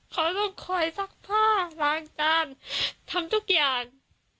เขาต้องคอยซักผ้าล้างจานทำทุกอย่าง